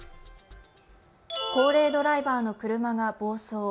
高齢ドライバーの車が暴走。